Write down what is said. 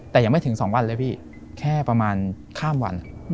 แต่ยังไม่ถึง๒วันเลยพี่แค่ประมาณข้ามวัน